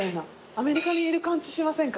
アメリカにいる感じしませんか？